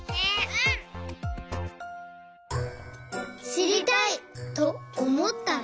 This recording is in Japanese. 「しりたい！」とおもったら。